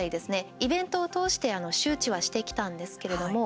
イベントを通して周知はしてきたんですけれども。